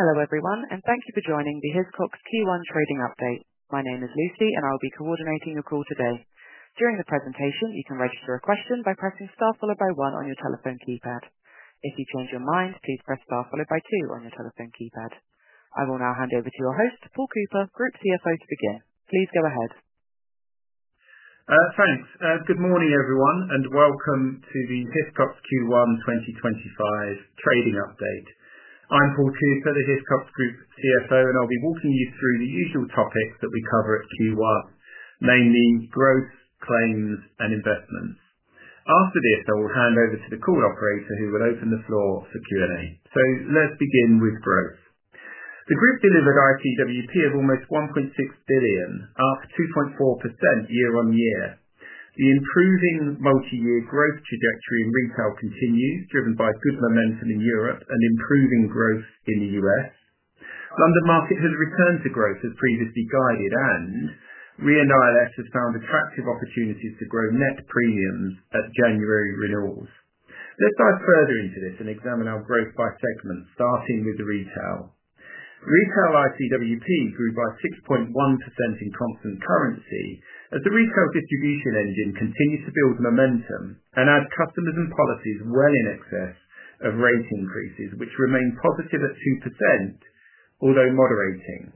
Hello everyone, and thank you for joining the Hiscox Q1 Trading Update. My name is Lucy, and I will be coordinating your call today. During the presentation, you can register a question by pressing star followed by one on your telephone keypad. If you change your mind, please press star followed by two on your telephone keypad. I will now hand over to your host, Paul Cooper, Group CFO, to begin. Please go ahead. Thanks. Good morning everyone, and welcome to the Hiscox Q1 2025 Trading Update. I'm Paul Cooper, the Hiscox Group CFO, and I'll be walking you through the usual topics that we cover at Q1, namely growth, claims, and investments. After this, I will hand over to the call operator, who will open the floor for Q&A. Let's begin with growth. The group delivered ICWP of almost $1.6 billion, up 2.4% year-on-year. The improving multi-year growth trajectory in Retail continues, driven by good momentum in Europe and improving growth in the U.S. London Market has returned to growth as previously guided, and Re & ILS have found attractive opportunities to grow net premiums at January renewals. Let's dive further into this and examine our growth by segment, starting with the Retail. Retail ICWP grew by 6.1% in constant currency as the Retail distribution engine continues to build momentum and add customers and policies well in excess of rate increases, which remain positive at 2%, although moderating.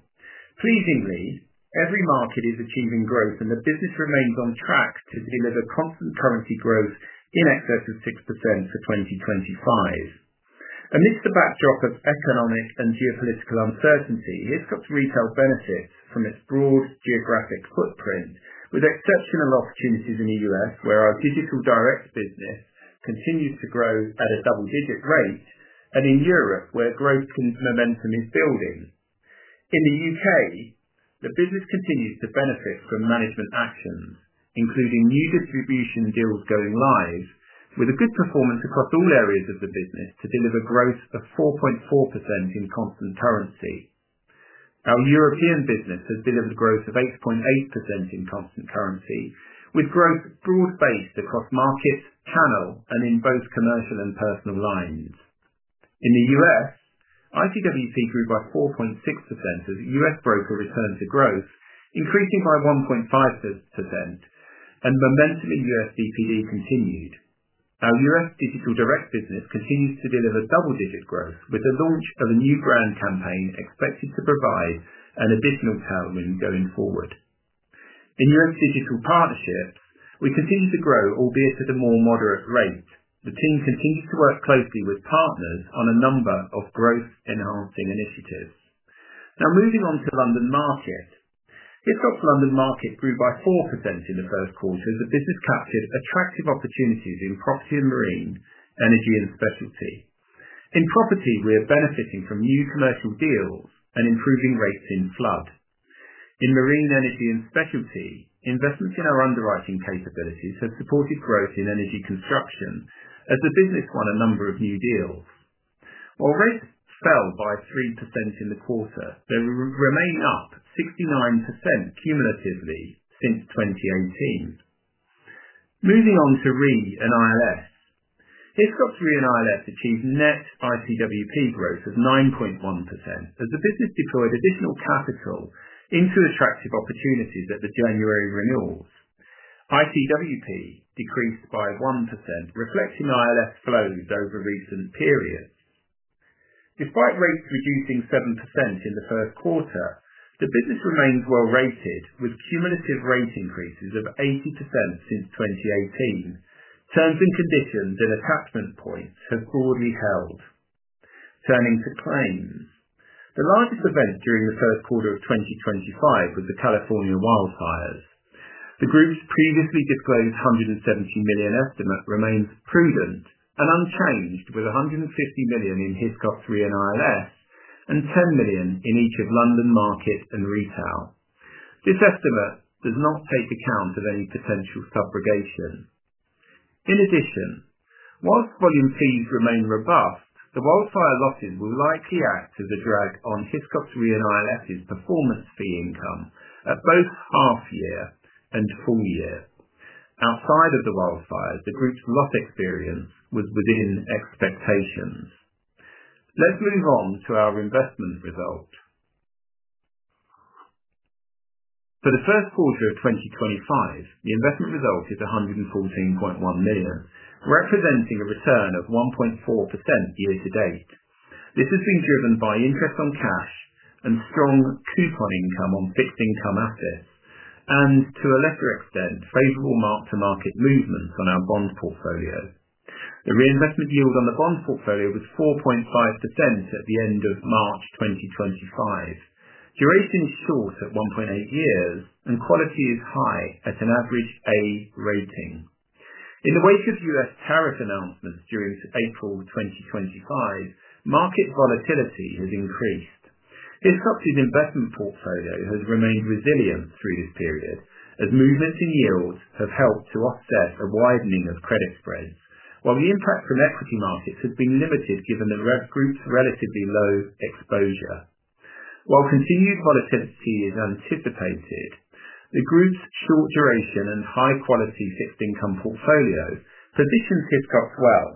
Pleasingly, every market is achieving growth, and the business remains on track to deliver constant currency growth in excess of 6% for 2025. Amidst the backdrop of economic and geopolitical uncertainty, Hiscox Retail benefits from its broad geographic footprint, with exceptional opportunities in the U.S., where our digital direct business continues to grow at a double-digit rate, and in Europe, where growth momentum is building. In the U.K., the business continues to benefit from management actions, including new distribution deals going live, with a good performance across all areas of the business to deliver growth of 4.4% in constant currency. Our European business has delivered growth of 8.8% in constant currency, with growth broad-based across markets, channel, and in both commercial and personal lines. In the U.S., ICWP grew by 4.6% as U.S. Broker returns to growth, increasing by 1.5%, and momentum in U.S. DPD continued. Our U.S. Digital Direct business continues to deliver double-digit growth, with the launch of a new brand campaign expected to provide an additional tailwind going forward. In U.S. Digital Partnerships, we continue to grow, albeit at a more moderate rate. The team continues to work closely with partners on a number of growth-enhancing initiatives. Now moving on to London Market, Hiscox London Market grew by 4% in the first quarter as the business captured attractive opportunities in property and marine energy and specialty. In property, we are benefiting from new commercial deals and improving rates in flood. In marine energy and specialty, investments in our underwriting capabilities have supported growth in energy construction as the business won a number of new deals. While rates fell by 3% in the quarter, they remain up 69% cumulatively since 2018. Moving on to Re & ILS, Hiscox Re & ILS achieved net ICWP growth of 9.1% as the business deployed additional capital into attractive opportunities at the January renewals. ICWP decreased by 1%, reflecting ILS flows over recent periods. Despite rates reducing 7% in the first quarter, the business remains well-rated, with cumulative rate increases of 80% since 2018. Terms and conditions and attachment points have broadly held. Turning to claims, the largest event during the first quarter of 2025 was the California wildfires. The group's previously disclosed $170 million estimate remains prudent and unchanged, with $150 million in Hiscox Re & ILS and $10 million in each of London Market and Retail. This estimate does not take account of any potential subrogation. In addition, whilst volume fees remain robust, the wildfire losses will likely act as a drag on Hiscox Re & ILS's performance fee income at both half-year and full-year. Outside of the wildfires, the group's loss experience was within expectations. Let's move on to our investment result. For the first quarter of 2025, the investment result is $114.1 million, representing a return of 1.4% year to date. This has been driven by interest on cash and strong coupon income on fixed income assets, and to a lesser extent, favorable mark-to-market movements on our bond portfolio. The reinvestment yield on the bond portfolio was 4.5% at the end of March 2025. Duration is short at 1.8 years, and quality is high at an average A rating. In the wake of U.S. tariff announcements during April 2025, market volatility has increased. Hiscox's investment portfolio has remained resilient through this period, as movements in yields have helped to offset a widening of credit spreads, while the impact from equity markets has been limited given the group's relatively low exposure. While continued volatility is anticipated, the group's short duration and high-quality fixed income portfolio positions Hiscox well.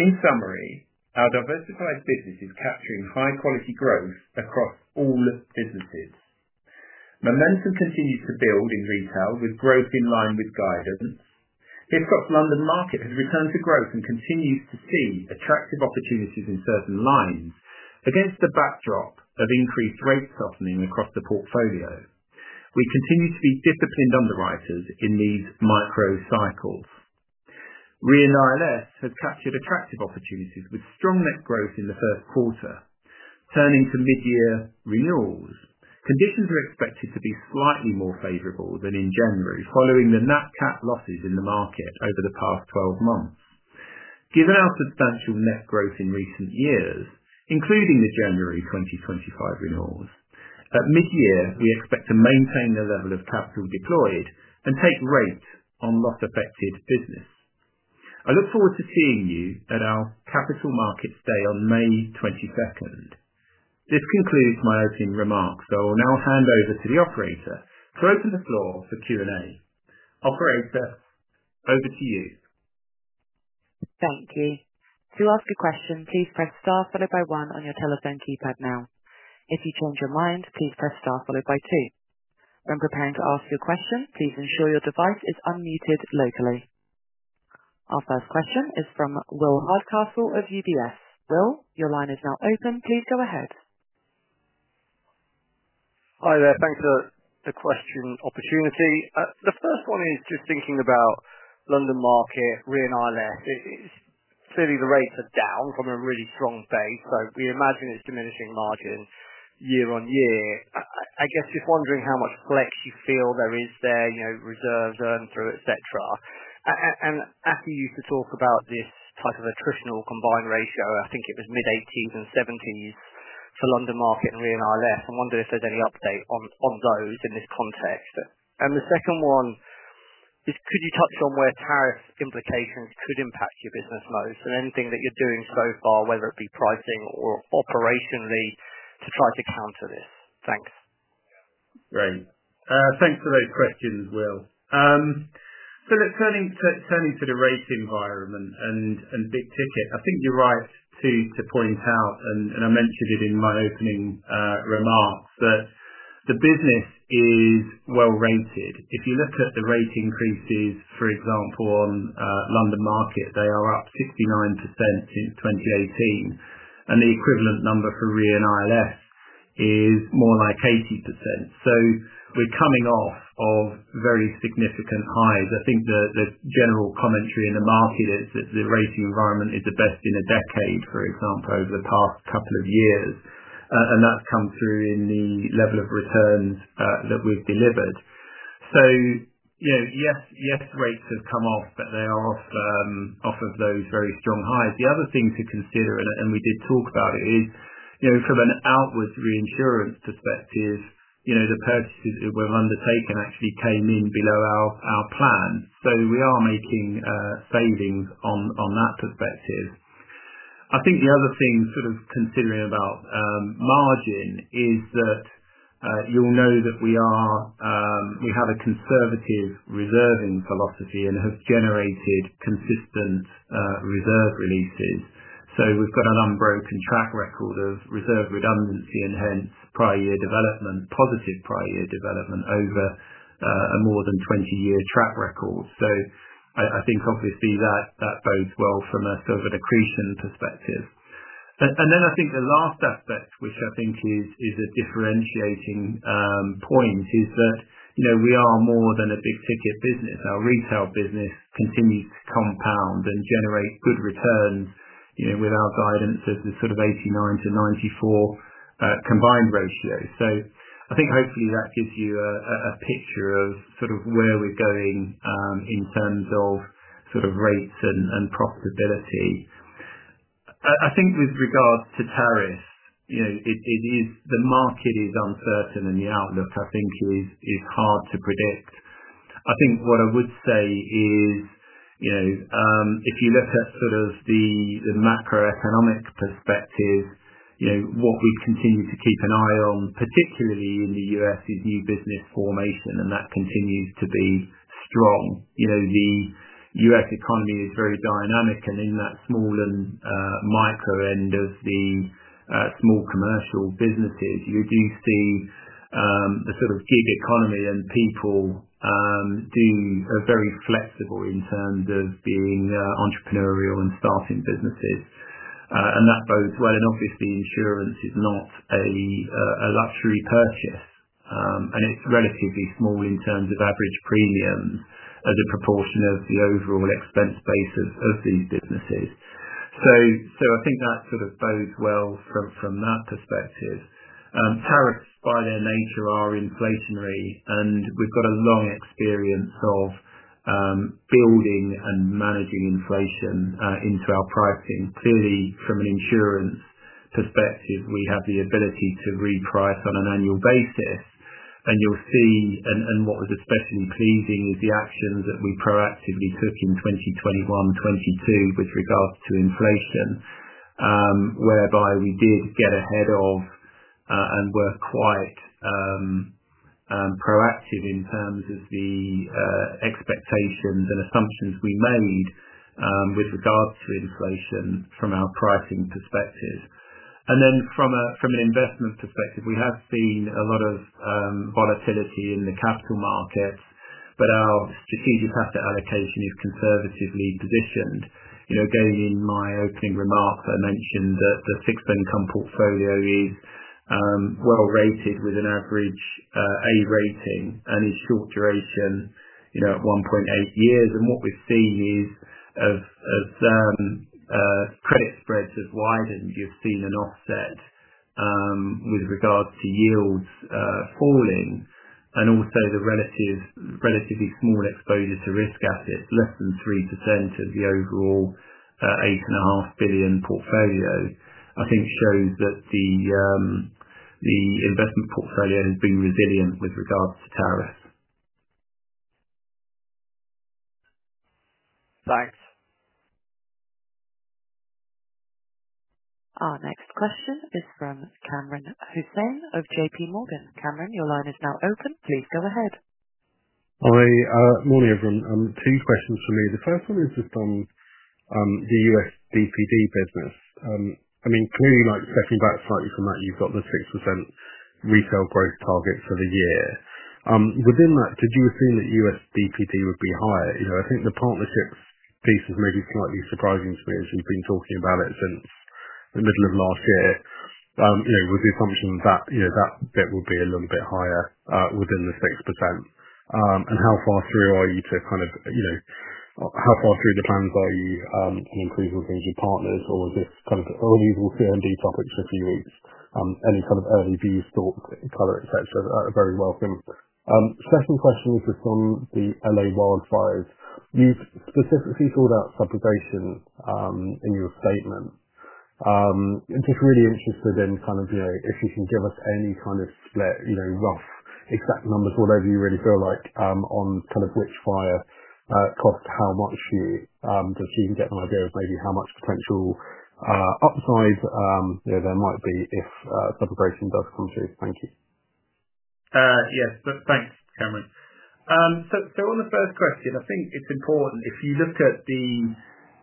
In summary, our diversified business is capturing high-quality growth across all businesses. Momentum continues to build in Retail, with growth in line with guidance. Hiscox London Market has returned to growth and continues to see attractive opportunities in certain lines against the backdrop of increased rate softening across the portfolio. We continue to be disciplined underwriters in these micro cycles. Re & ILS have captured attractive opportunities with strong net growth in the first quarter. Turning to mid-year renewals, conditions are expected to be slightly more favorable than in January, following the nat-cat losses in the market over the past 12 months. Given our substantial net growth in recent years, including the January 2025 renewals, at mid-year we expect to maintain the level of capital deployed and take rate on loss-affected business. I look forward to seeing you at our capital markets day on May 22nd. This concludes my opening remarks. I will now hand over to the operator to open the floor for Q&A. Operator, over to you. Thank you. To ask a question, please press star followed by one on your telephone keypad now. If you change your mind, please press star followed by two. When preparing to ask your question, please ensure your device is unmuted locally. Our first question is from Will Hardcastle of UBS. Will, your line is now open. Please go ahead. Hi there. Thanks for the question opportunity. The first one is just thinking about London Market, Re & ILS. Clearly, the rates are down from a really strong base, so we imagine it's diminishing margin year-on-year. I guess just wondering how much flex you feel there is there, reserves earned through, etc. Aki used to talk about this type of attritional combined ratio. I think it was mid-80s and 70s for London Market and Re & ILS. I wonder if there's any update on those in this context. The second one is, could you touch on where tariff implications could impact your business model? Anything that you're doing so far, whether it be pricing or operationally, to try to counter this? Thanks. Great. Thanks for those questions, Will. Let's turn into the rate environment and big ticket. I think you're right to point out, and I mentioned it in my opening remarks, that the business is well-rated. If you look at the rate increases, for example, on London Market, they are up 69% since 2018, and the equivalent number for Re & ILS is more like 80%. We are coming off of very significant highs. I think the general commentary in the market is that the rating environment is the best in a decade, for example, over the past couple of years, and that has come through in the level of returns that we've delivered. Yes, rates have come off, but they are off of those very strong highs. The other thing to consider, and we did talk about it, is from an outward reinsurance perspective, the purchases that were undertaken actually came in below our plan. We are making savings on that perspective. I think the other thing sort of considering about margin is that you'll know that we have a conservative reserving philosophy and have generated consistent reserve releases. We've got an unbroken track record of reserve redundancy and hence prior year development, positive prior year development over a more than 20-year track record. I think obviously that bodes well from a sort of an accretion perspective. I think the last aspect, which I think is a differentiating point, is that we are more than a big ticket business. Our Retail business continues to compound and generate good returns with our guidance of the sort of 89%-94% combined ratio. I think hopefully that gives you a picture of sort of where we're going in terms of sort of rates and profitability. I think with regards to tariffs, the market is uncertain, and the outlook I think is hard to predict. I think what I would say is if you look at sort of the macroeconomic perspective, what we continue to keep an eye on, particularly in the U.S., is new business formation, and that continues to be strong. The U.S. economy is very dynamic, and in that small and micro end of the small commercial businesses, you do see the sort of gig economy and people are very flexible in terms of being entrepreneurial and starting businesses. That bodes well. Obviously, insurance is not a luxury purchase, and it is relatively small in terms of average premiums as a proportion of the overall expense base of these businesses. I think that sort of bodes well from that perspective. Tariffs, by their nature, are inflationary, and we have a long experience of building and managing inflation into our pricing. Clearly, from an insurance perspective, we have the ability to reprice on an annual basis, and you will see, and what was especially pleasing is the actions that we proactively took in 2021, 2022 with regards to inflation, whereby we did get ahead of and were quite proactive in terms of the expectations and assumptions we made with regards to inflation from our pricing perspective. From an investment perspective, we have seen a lot of volatility in the capital markets, but our strategic asset allocation is conservatively positioned. Again, in my opening remarks, I mentioned that the fixed income portfolio is well-rated with an average A rating and is short duration at 1.8 years. What we've seen is credit spreads have widened. You've seen an offset with regards to yields falling and also the relatively small exposure to risk assets, less than 3% of the overall $8.5 billion portfolio. I think shows that the investment portfolio has been resilient with regards to tariffs. Thanks. Our next question is from Kamran Hossain of JPMorgan. Kamran, your line is now open. Please go ahead. Hi. Morning, everyone. Two questions for me. The first one is just on the U.S. DPD business. I mean, clearly, stepping back slightly from that, you've got the 6% retail growth target for the year. Within that, did you assume that U.S. DPD would be higher? I think the partnership piece is maybe slightly surprising to me as you've been talking about it since the middle of last year with the assumption that that bit would be a little bit higher within the 6%. How far through are you to kind of how far through the plans are you on improving things with partners? Is this kind of only will CRM be topics for a few weeks? Any kind of early views, thoughts, color, etc. are very welcome. Second question is just on the L.A. wildfires. You've specifically called out subrogation in your statement. I'm just really interested in kind of if you can give us any kind of split, rough, exact numbers, whatever you really feel like on kind of which fire costs how much, just so you can get an idea of maybe how much potential upside there might be if subrogation does come through. Thank you. Yes. Thanks, Kamran. On the first question, I think it's important if you look at the,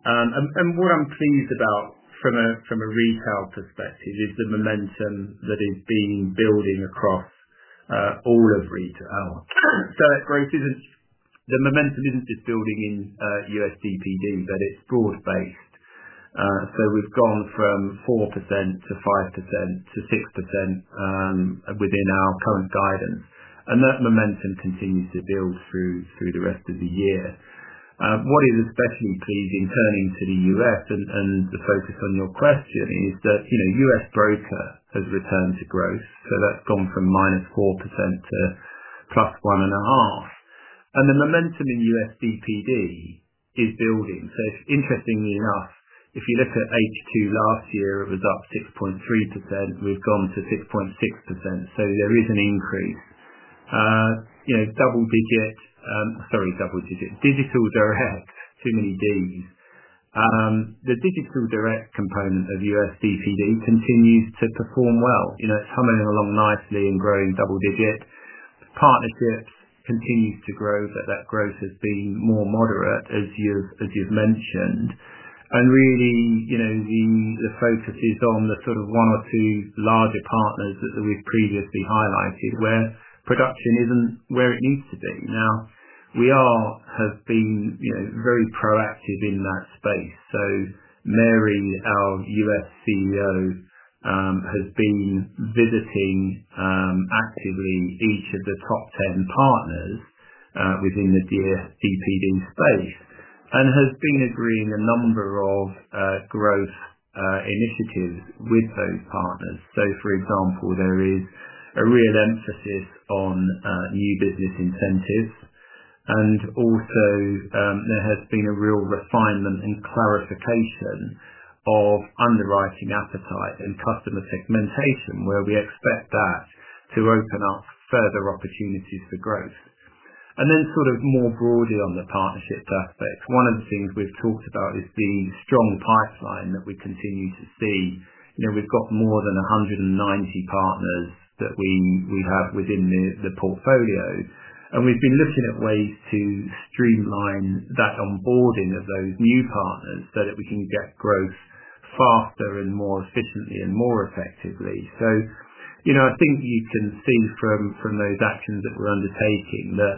and what I'm pleased about from a retail perspective is the momentum that is being building across all of retail. The momentum isn't just building in U.S. DPD, but it's broad-based. We have gone from 4% to 5% to 6% within our current guidance, and that momentum continues to build through the rest of the year. What is especially pleasing, turning to the U.S. and the focus on your question, is that U.S. Broker has returned to growth. That has gone from -4% to +1.5%. The momentum in U.S. DPD is building. Interestingly enough, if you look at H2 last year, it was up 6.3%. We have gone to 6.6%. There is an increase. Double digit, sorry, double digit. Digital direct. Too many Ds. The digital direct component of U.S. DPD continues to perform well. It's humming along nicely and growing double digit. Partnerships continues to grow, but that growth has been more moderate, as you've mentioned. Really, the focus is on the sort of one or two larger partners that we've previously highlighted where production isn't where it needs to be. We have been very proactive in that space. Mary, our U.S. CEO, has been visiting actively each of the top 10 partners within the DPD space and has been agreeing a number of growth initiatives with those partners. For example, there is a real emphasis on new business incentives, and also there has been a real refinement and clarification of underwriting appetite and customer segmentation, where we expect that to open up further opportunities for growth. More broadly on the partnerships aspect, one of the things we've talked about is the strong pipeline that we continue to see. We've got more than 190 partners that we have within the portfolio, and we've been looking at ways to streamline that onboarding of those new partners so that we can get growth faster and more efficiently and more effectively. I think you can see from those actions that we're undertaking that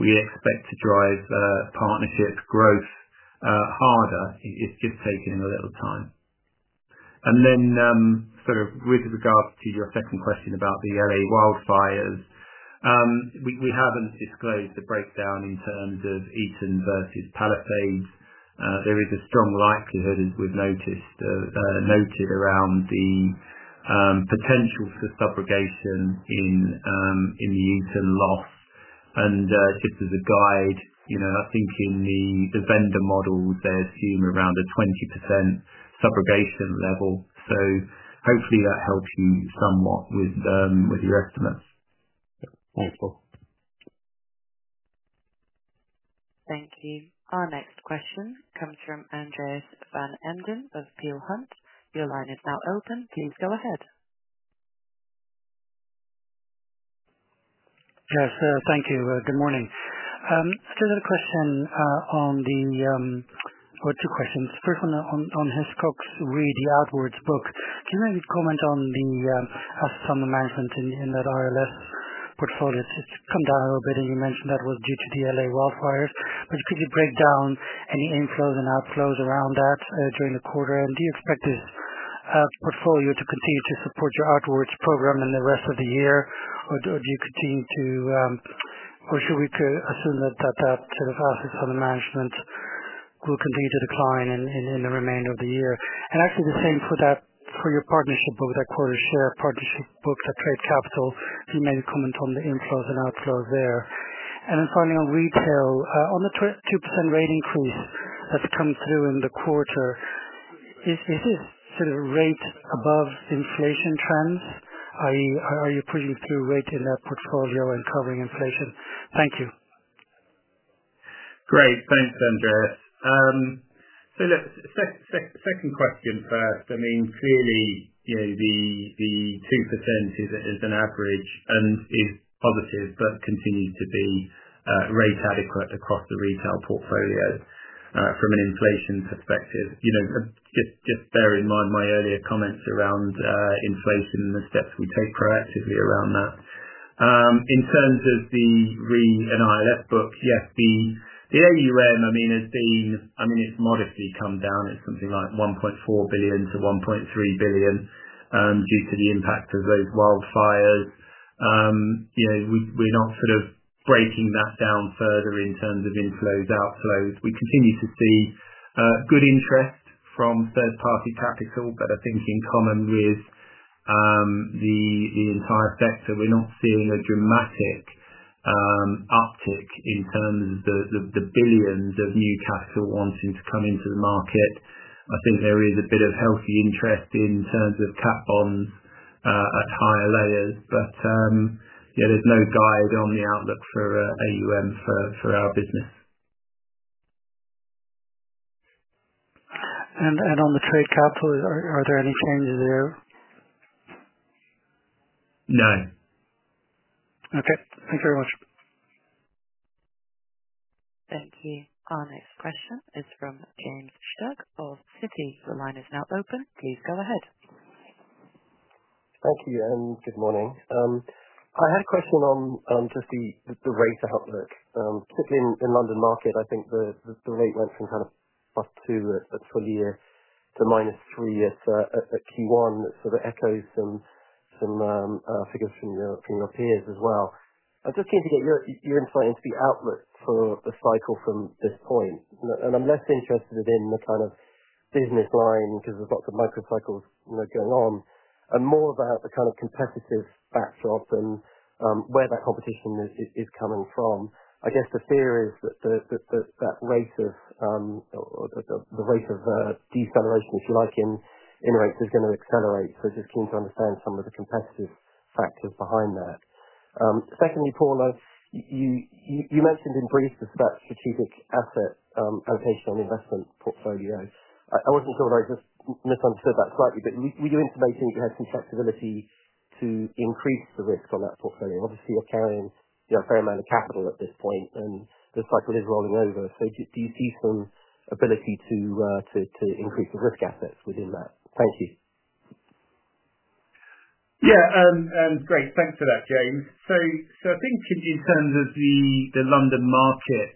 we expect to drive partnership growth harder. It's just taking a little time. With regards to your second question about the L.A. wildfires, we haven't disclosed the breakdown in terms of Eaton versus Palisades. There is a strong likelihood, as we've noted, around the potential for subrogation in the Eaton loss. Just as a guide, I think in the vendor models, they assume around a 20% subrogation level. Hopefully that helps you somewhat with your estimates. Helpful. Thank you. Our next question comes from Andreas van Embden of Peel Hunt. Your line is now open. Please go ahead. Yes. Thank you. Good morning. Just had a question on the, or two questions. First one on Hiscox Re, the outwards book. Can you maybe comment on the AUM in that ILS portfolio? It's come down a little bit, and you mentioned that was due to the L.A. wildfires. Could you break down any inflows and outflows around that during the quarter? Do you expect this portfolio to continue to support your outwards program in the rest of the year, or should we assume that that sort of AUM will continue to decline in the remainder of the year? Actually, the same for your partnership book, that quota share partnership book, that trade capital. Do you maybe comment on the inflows and outflows there? Finally, on Retail, on the 2% rate increase that's come through in the quarter, is this sort of rate above inflation trends? Are you pushing through rate in that portfolio and covering inflation? Thank you. Great. Thanks, Andreas. Look, second question first. I mean, clearly, the 2% is an average and is positive but continues to be rate adequate across the Retail portfolio from an inflation perspective. Just bear in mind my earlier comments around inflation and the steps we take proactively around that. In terms of the Re & ILS book, yes, the AUM has been, I mean, it's modestly come down. It's something like $1.4 billion to $1.3 billion due to the impact of those wildfires. We're not sort of breaking that down further in terms of inflows, outflows. We continue to see good interest from third-party capital, but I think in common with the entire sector, we're not seeing a dramatic uptick in terms of the billions of new capital wanting to come into the market. I think there is a bit of healthy interest in terms of cat bonds at higher layers, but there's no guide on the outlook for AUM for our business. On the trade capital, are there any changes there? No. Okay. Thank you very much. Thank you. Our next question is from James Shuck, Citi. Your line is now open. Please go ahead. Thank you. Good morning. I had a question on just the rate outlook. Particularly in London Market, I think the rate went from kind of +2% at full year to minus 3% at Q1. It sort of echoes some figures from your peers as well. I just came to get your insight into the outlook for the cycle from this point. I am less interested in the kind of business line because there are lots of microcycles going on and more about the kind of competitive backdrop and where that competition is coming from. I guess the fear is that that rate of deceleration, if you like, in rates is going to accelerate. Just keen to understand some of the competitive factors behind that. Secondly, Paul, you mentioned in brief that strategic asset allocation and investment portfolio. I wasn't sure that I just misunderstood that slightly, but were you intimating that you had some flexibility to increase the risk on that portfolio? Obviously, you're carrying a fair amount of capital at this point, and the cycle is rolling over. Do you see some ability to increase the risk assets within that? Thank you. Yeah. Great. Thanks for that, James. I think in terms of the London Market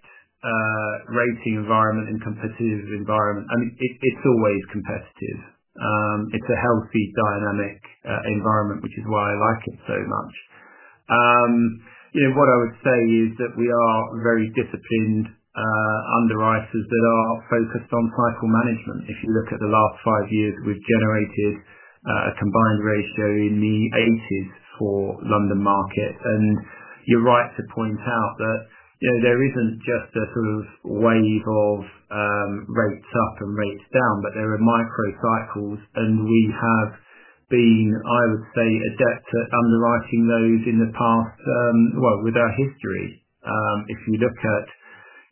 rating environment and competitive environment, I mean, it's always competitive. It's a healthy dynamic environment, which is why I like it so much. What I would say is that we are very disciplined underwriters that are focused on cycle management. If you look at the last five years, we've generated a combined ratio in the 80s for London Market. You're right to point out that there isn't just a sort of wave of rates up and rates down, but there are microcycles, and we have been, I would say, adept at underwriting those in the past, with our history. If you look at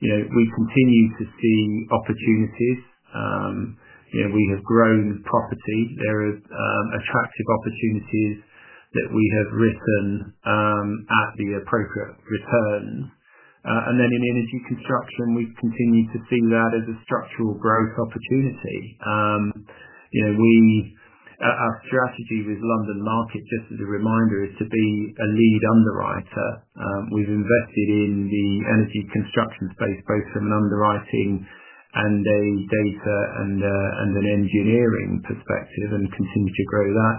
it, we continue to see opportunities. We have grown property. There are attractive opportunities that we have risen at the appropriate returns. In energy construction, we have continued to see that as a structural growth opportunity. Our strategy with London Market, just as a reminder, is to be a lead underwriter. We have invested in the energy construction space both from an underwriting and a data and an engineering perspective and continue to grow that.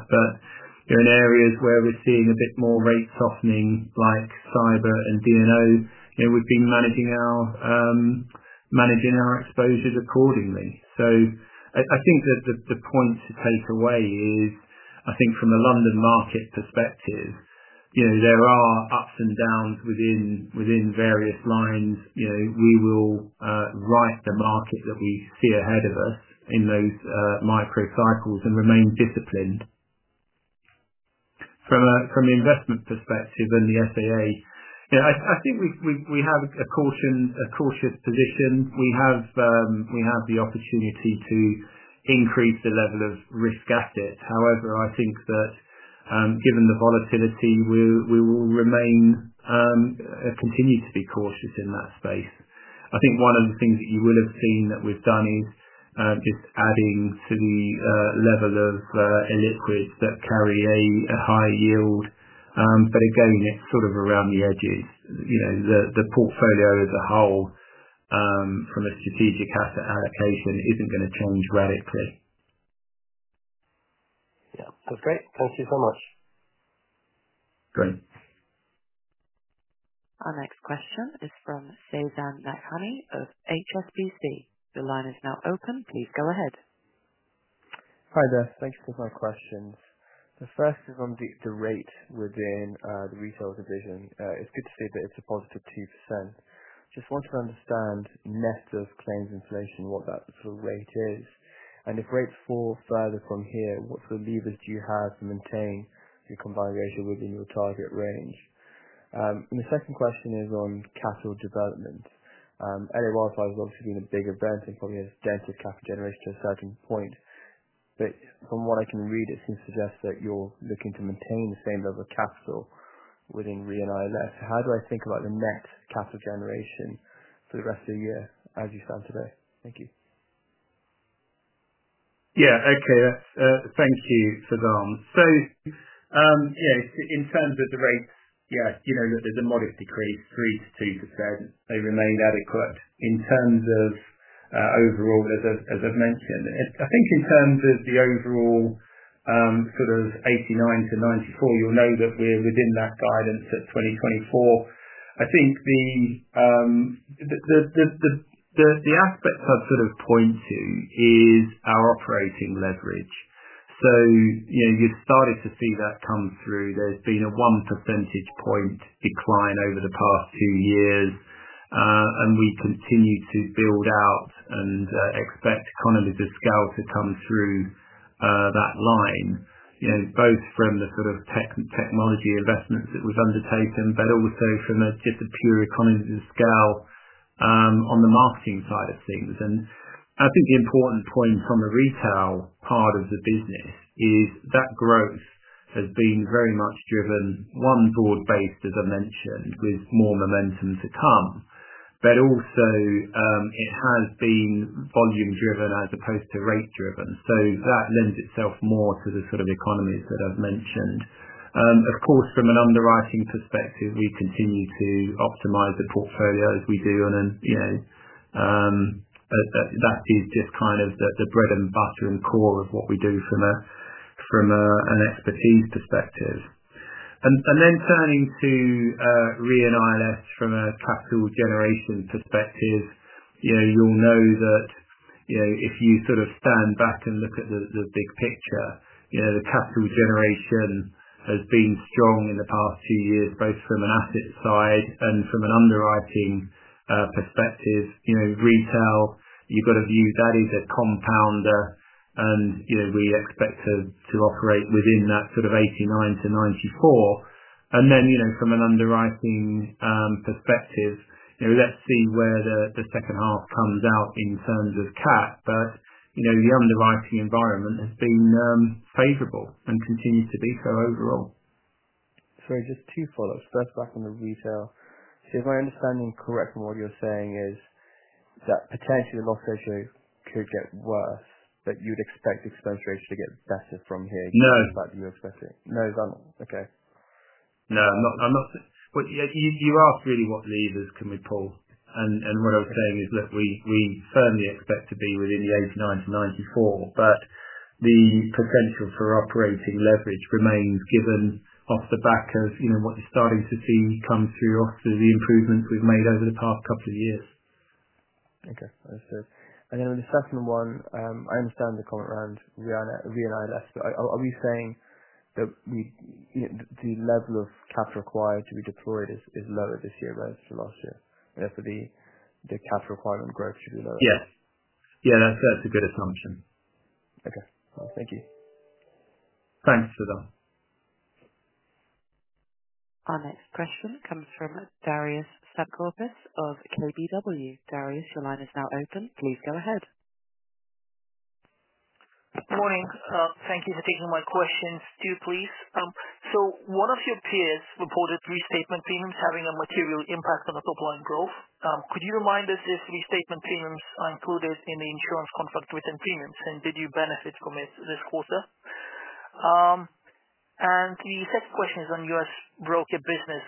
In areas where we are seeing a bit more rate softening like cyber and D&O, we have been managing our exposures accordingly. I think the point to take away is, from a London Market perspective, there are ups and downs within various lines. We will write the market that we see ahead of us in those microcycles and remain disciplined. From an investment perspective and the SAA, I think we have a cautious position. We have the opportunity to increase the level of risk assets. However, I think that given the volatility, we will continue to be cautious in that space. I think one of the things that you will have seen that we've done is just adding to the level of illiquids that carry a high yield. Again, it's sort of around the edges. The portfolio as a whole from a strategic asset allocation isn't going to change radically. Yeah. That's great. Thank you so much. Great. Our next question is from Faizan Lakhani of HSBC. Your line is now open. Please go ahead. Hi there. Thanks for my questions. The first is on the rate within the retail division. It's good to see that it's a +2%. Just want to understand net of claims inflation what that sort of rate is. If rates fall further from here, what sort of levers do you have to maintain your combined ratio within your target range? The second question is on capital development. L.A. wildfires have obviously been a big event and probably have dented capital generation to a certain point. From what I can read, it seems to suggest that you're looking to maintain the same level of capital within Re & ILS. How do I think about the net capital generation for the rest of the year as you stand today? Thank you. Yeah. Okay. Thank you, Faizan. Yeah, in terms of the rates, there's a modest decrease, 3% to 2%. They remain adequate. In terms of overall, as I've mentioned, I think in terms of the overall sort of 89%-94%, you'll know that we're within that guidance at 2024. I think the aspect I'd sort of point to is our operating leverage. You've started to see that come through. There's been a 1 percentage point decline over the past two years, and we continue to build out and expect economies of scale to come through that line, both from the sort of technology investments that we've undertaken, but also from just a pure economies of scale on the marketing side of things. I think the important point on the Retail part of the business is that growth has been very much driven, one, broad-based, as I mentioned, with more momentum to come. It has been volume-driven as opposed to rate-driven. That lends itself more to the sort of economies that I have mentioned. Of course, from an underwriting perspective, we continue to optimize the portfolio as we do. That is just kind of the bread and butter and core of what we do from an expertise perspective. Turning to Re & ILS from a capital generation perspective, you will know that if you sort of stand back and look at the big picture, the capital generation has been strong in the past two years, both from an asset side and from an underwriting perspective. Retail, you've got to view that as a compounder, and we expect to operate within that sort of 89%-94%. From an underwriting perspective, let's see where the second half comes out in terms of cap. The underwriting environment has been favorable and continues to be so overall. Sorry, just two follow-ups. First, back on the Retail. If my understanding is correct from what you're saying, is that potentially the loss ratio could get worse, but you would expect the expense ratio to get better from here. No. Is that what you're expecting? No, it's not. Okay. No, I'm not. You asked really what levers can we pull. What I was saying is, look, we firmly expect to be within the 89%-94%, but the potential for operating leverage remains given off the back of what you're starting to see come through off the improvements we've made over the past couple of years. Okay. Understood. On the second one, I understand the comment around Re & ILS, but are we saying that the level of cap required to be deployed is lower this year relative to last year? Therefore, the cap requirement growth should be lower. Yes. Yeah, that's a good assumption. Okay. Thank you. Thanks, Faizan. Our next question comes from Darius Satkauskas of KBW. Darius, your line is now open. Please go ahead. Good morning. Thank you for taking my questions. Two, please. One of your peers reported reinstatement premiums having a material impact on the top-line growth. Could you remind us if reinstatement premiums are included in the insurance contract written premiums, and did you benefit from it this quarter? The second question is on U.S. Broker business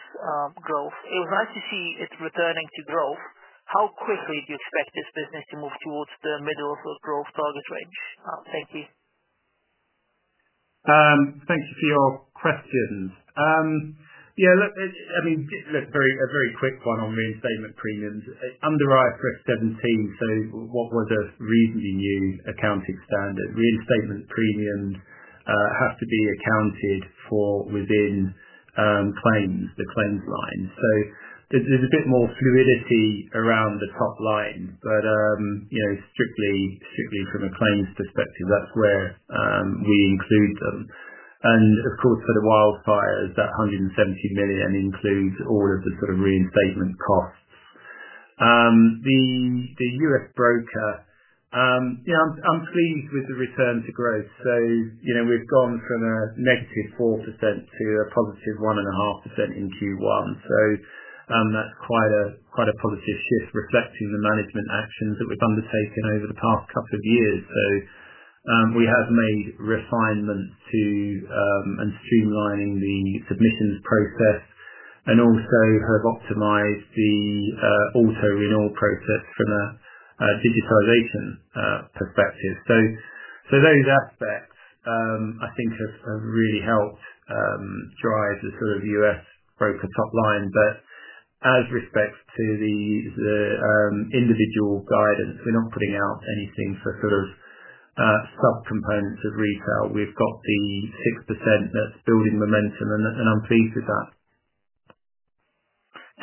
growth. It was nice to see it returning to growth. How quickly do you expect this business to move towards the middle of a growth target range? Thank you. Thank you for your questions. Yeah, look, I mean, look, a very quick one on reinstatement premiums. Under IFRS 17, so what was a reasonably new accounting standard, reinstatement premiums have to be accounted for within claims, the claims line. There is a bit more fluidity around the top line, but strictly from a claims perspective, that is where we include them. Of course, for the wildfires, that $170 million includes all of the sort of reinstatement costs. The U.S. Broker, yeah, I am pleased with the return to growth. We have gone from a -4% to a +1.5% in Q1. That is quite a positive shift reflecting the management actions that we have undertaken over the past couple of years. We have made refinements to and streamlining the submissions process and also have optimized the auto-renewal process from a digitization perspective. Those aspects, I think, have really helped drive the sort of U.S. Broker top line. As respects to the individual guidance, we're not putting out anything for sort of sub-components of Retail. We've got the 6% that's building momentum, and I'm pleased with that.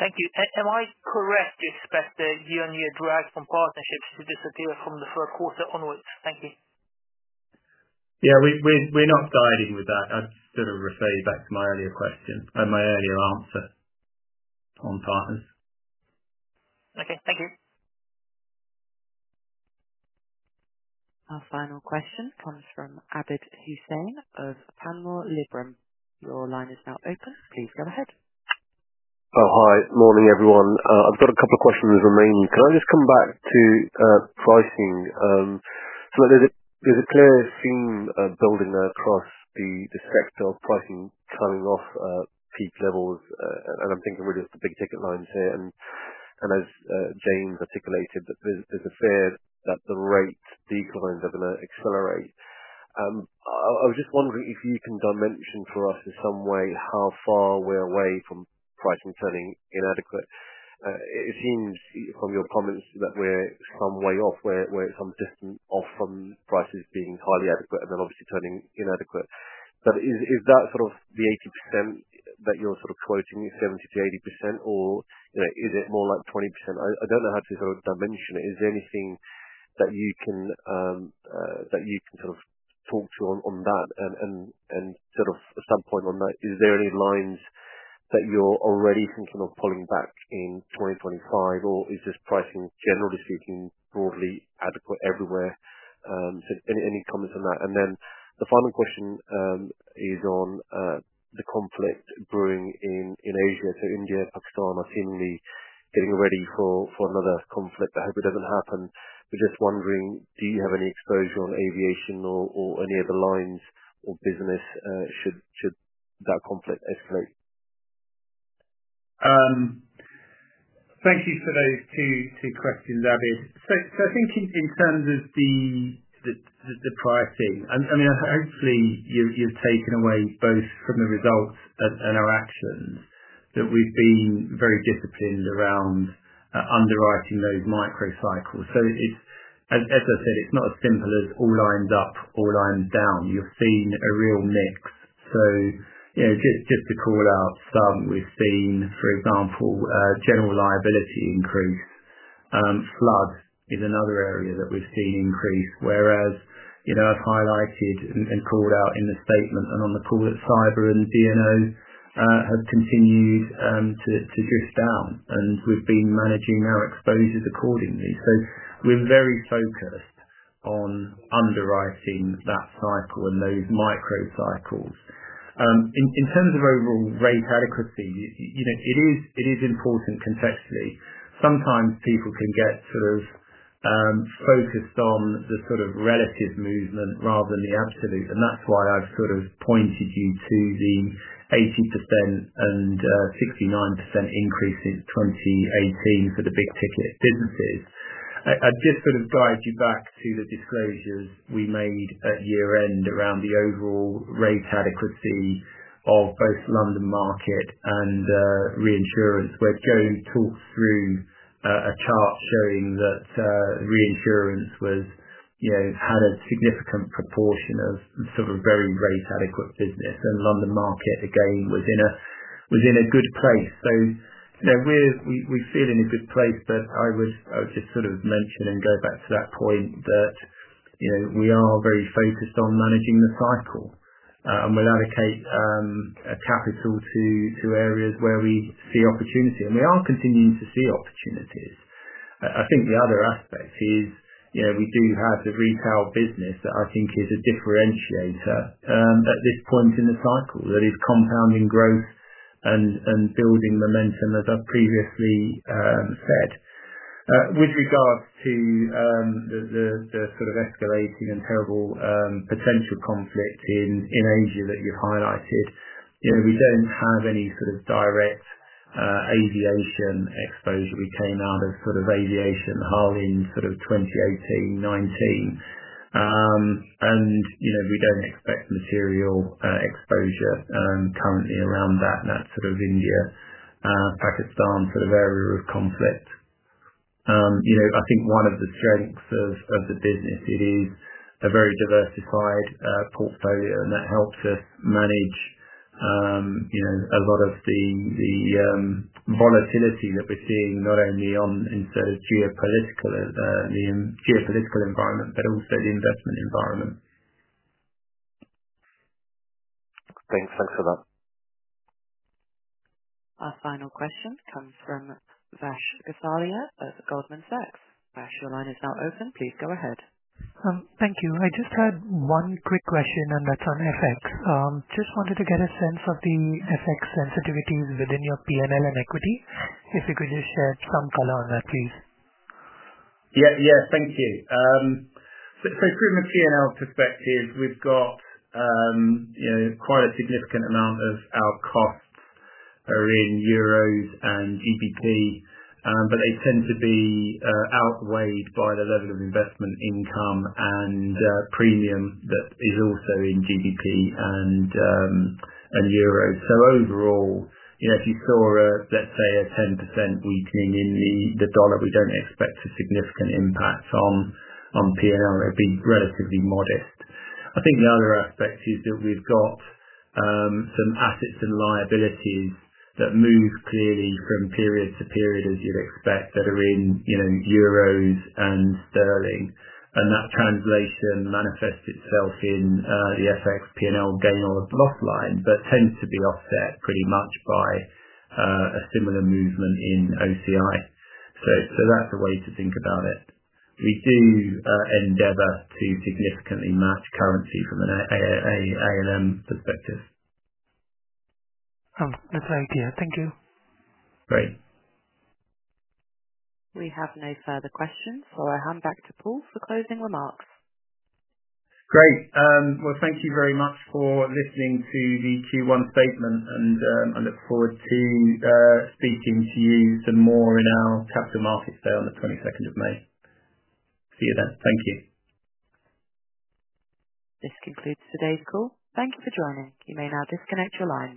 Thank you. Am I correct to expect the year-on-year drag from partnerships to disappear from the third quarter onwards? Thank you. Yeah, we're not guiding with that. That's sort of referring back to my earlier question and my earlier answer on partners. Okay. Thank you. Our final question comes from Abid Hussain of Panmure Liberum. Your line is now open. Please go ahead. Oh, hi. Morning, everyone. I've got a couple of questions remaining you. Can I just come back to pricing? There's a clear theme building across the sector of pricing coming off peak levels. I'm thinking we're just the big ticket lines here. As James articulated, there's a fear that the rate declines are going to accelerate. I was just wondering if you can dimension for us in some way how far we're away from pricing turning inadequate. It seems from your comments that we're some way off. We're some distance off from prices being highly adequate and then obviously turning inadequate. Is that sort of the 80% that you're sort of quoting, 70-80%, or is it more like 20%? I don't know how to sort of dimension it. Is there anything that you can sort of talk to on that? At some point on that, is there any lines that you're already thinking of pulling back in 2025, or is this pricing, generally speaking, broadly adequate everywhere? Any comments on that? The final question is on the conflict brewing in Asia. India, Pakistan are seemingly getting ready for another conflict. I hope it doesn't happen. Just wondering, do you have any exposure on aviation or any other lines or business should that conflict escalate? Thank you for those two questions, Abid. I think in terms of the pricing, I mean, hopefully, you've taken away both from the results and our actions that we've been very disciplined around underwriting those microcycles. As I said, it's not as simple as all lines up, all lines down. You've seen a real mix. Just to call out some, we've seen, for example, general liability increase. Flood is another area that we've seen increase, whereas I've highlighted and called out in the statement and on the call that cyber and D&O have continued to drift down. We've been managing our exposures accordingly. We're very focused on underwriting that cycle and those microcycles. In terms of overall rate adequacy, it is important contextually. Sometimes people can get sort of focused on the sort of relative movement rather than the absolute. That's why I've sort of pointed you to the 80% and 69% increase in 2018 for the big ticket businesses. I'd just sort of guide you back to the disclosures we made at year-end around the overall rate adequacy of both London Market and Reinsurance, where Jo talked through a chart showing that reinsurance had a significant proportion of sort of very rate adequate business. London Market, again, was in a good place. We feel in a good place, but I would just sort of mention and go back to that point that we are very focused on managing the cycle, and we'll allocate capital to areas where we see opportunity. We are continuing to see opportunities. I think the other aspect is we do have the Retail business that I think is a differentiator at this point in the cycle that is compounding growth and building momentum, as I've previously said. With regards to the sort of escalating and terrible potential conflict in Asia that you've highlighted, we don't have any sort of direct aviation exposure. We came out of sort of aviation in 2018, 2019. We don't expect material exposure currently around that sort of India-Pakistan sort of area of conflict. I think one of the strengths of the business, it is a very diversified portfolio, and that helps us manage a lot of the volatility that we're seeing not only in the geopolitical environment, but also the investment environment. Thanks for that. Our final question comes from Vash Gosalia of Goldman Sachs. Vash, your line is now open. Please go ahead. Thank you. I just had one quick question, and that's on FX. Just wanted to get a sense of the FX sensitivities within your P&L and equity. If you could just shed some color on that, please. Yeah, yeah. Thank you. From a P&L perspective, we've got quite a significant amount of our costs are in euros and GBP, but they tend to be outweighed by the level of investment income and premium that is also in GBP and euros. Overall, if you saw, let's say, a 10% weakening in the dollar, we don't expect a significant impact on P&L. It'd be relatively modest. I think the other aspect is that we've got some assets and liabilities that move clearly from period to period, as you'd expect, that are in euros and sterling. That translation manifests itself in the FX P&L gain or loss line, but tends to be offset pretty much by a similar movement in OCI. That's a way to think about it. We do endeavor to significantly match currency from an ALM perspective. That's very clear. Thank you. Great. We have no further questions, so I'll hand back to Paul for closing remarks. Great. Thank you very much for listening to the Q1 statement, and I look forward to speaking to you some more in our Capital Markets Day on the 22nd of May. See you then. Thank you. This concludes today's call. Thank you for joining. You may now disconnect your line.